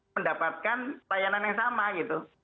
mendapatkan layanan yang sama gitu